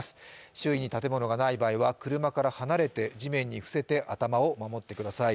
周囲に建物がない場合は車から離れて地面に伏せて頭を守ってください。